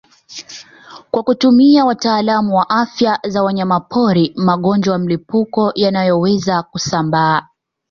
Kwa kutumia watalaamu afya za wanyamapori magonjwa ya mlipuko yanayoweza kusambaa